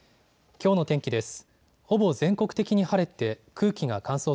きょうの天気です。